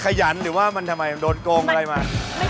ขยันหรือว่ามันทำไมโดนโกงอะไรมา